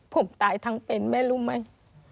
ผมตายทั้งเป็นแม่รู้ไหม